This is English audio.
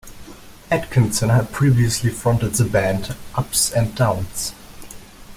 Atkinson had previously fronted the band Ups and Downs.